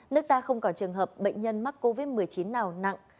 nước ta không còn trường hợp bệnh nhân mắc covid một mươi chín nào nặng